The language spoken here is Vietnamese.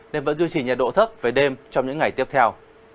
nên vẫn duy trì nhiệt độ thấp về đêm trong những ngày tiếp theo